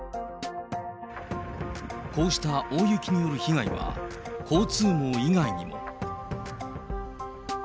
こうした大雪による被害は、交通網以外にも。